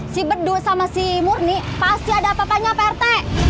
si bedu sama si murni pasti ada apa apanya prt